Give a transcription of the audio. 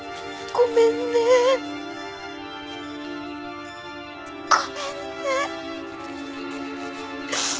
ごめんねごめんね。